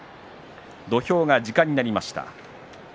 土俵が時間になりました。